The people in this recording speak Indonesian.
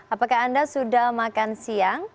apakah anda sudah makan siang